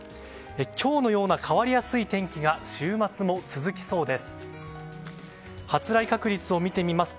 今日のような変わりやすい天気が週末も続きそうです。